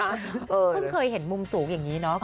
เพิ่งเคยเห็นมุมสูงอย่างนี้เนาะ